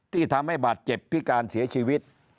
ที่ทำให้บาดเจ็บพิการเสียชีวิต